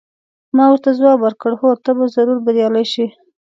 ما ورته ځواب ورکړ: هو، ته به ضرور بریالۍ شې.